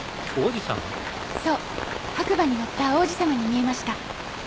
そう白馬に乗った王子様に見えました。